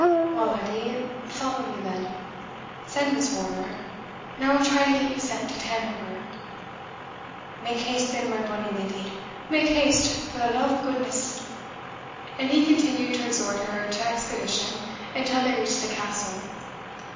"Well, Edie, follow me then," said Miss Wardour, "and I will try to get you sent to Tannonburgh." "Mak haste then, my bonny leddy mak haste, for the love o' goodness!" and he continued to exhort her to expedition until they reached the Castle.